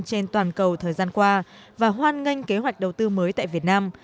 trên toàn cầu thời gian qua và hoàn ngành kế hoạch đầu tư mới tại việt nam